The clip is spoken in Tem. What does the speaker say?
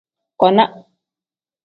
Kona.